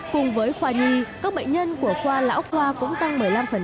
cùng với khoa nhi các bệnh nhân của khoa lão khoa cũng tăng một mươi năm